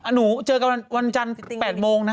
หนูเจอกันวันจันทร์๘โมงนะ